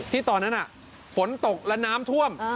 ตอนนั้นฝนตกและน้ำท่วม